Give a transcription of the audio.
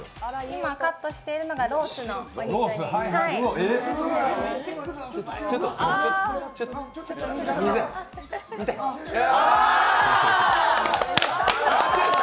今、カットしているのがロースのお肉になってます。